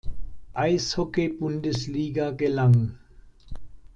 Eishockey-Bundesliga gelang.